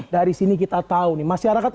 dari sini kita tahu nih masyarakat